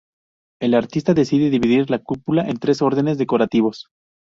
El artista decide dividir la cúpula en tres órdenes decorativos.